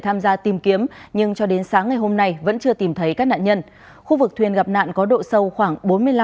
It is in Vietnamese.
tham gia tìm kiếm nhưng cho đến sáng ngày hôm nay vẫn chưa tìm thấy các nạn nhân khu vực thuyền gặp nạn có độ sâu khoảng